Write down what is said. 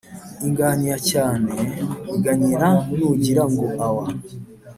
Inganyi ya cyane iganyira nugira ngo awa.